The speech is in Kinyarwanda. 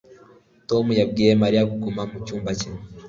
Tom yabwiye Mariya kuguma mu cyumba cye